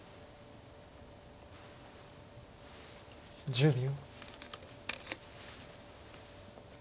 １０秒。